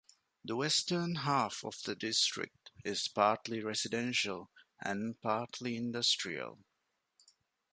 The western half of the district is partly residential and partly industrial.